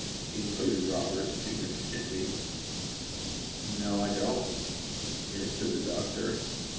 concluded Robert significantly. 'No, I don't,' answered the doctor.